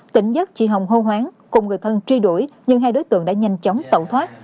tỉnh nhắc chị hồng hô hoáng cùng người thân truy đuổi nhưng hai đối tượng đã nhanh chóng tẩu thoát